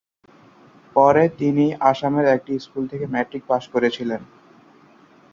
পরে তিনি আসামের একটি স্কুল থেকে ম্যাট্রিক পাস করেছিলেন।